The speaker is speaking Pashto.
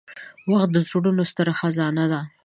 • وخت د زړونو ستره خزانه ده.